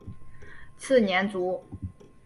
次年卒。